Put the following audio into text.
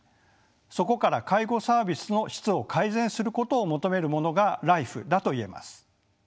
そこから介護サービスの質を改善することを求めるものがＬＩＦＥだと言えます。